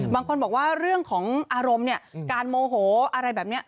บางคนบอกว่าเรื่องของอารมณ์เนี่ยการโมโหอะไรแบบนี้